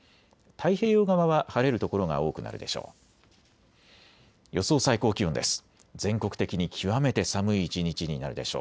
太平洋側は晴れる所が多くなるでしょう。